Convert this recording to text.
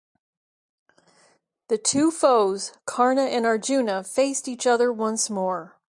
The two foes, Karna and Arjuna faced each other once more.